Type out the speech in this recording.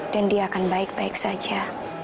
dan dia akan baik baik saja